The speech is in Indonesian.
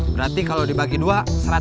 berarti kalo dibagi dua seratus seratus